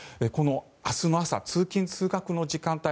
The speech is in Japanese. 明日の朝、通勤・通学の時間帯